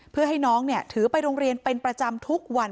เพื่อให้น้องถือไปโรงเรียนเป็นประจำทุกวัน